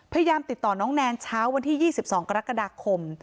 พยายามติดต่อน้องแนนเช้าวันที่๒๒กรกฎาคม